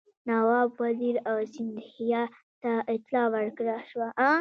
نواب وزیر او سیندهیا ته اطلاع ورکړه شوه.